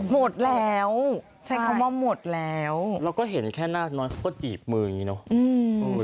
หมดแล้วใช้คำว่าหมดแล้วเราก็เห็นแค่นาคน้อยเขาก็จีบมืออย่างนี้เนอะ